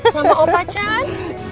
sama opa chan